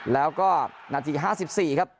แล้วก็นาที๕๔ครับ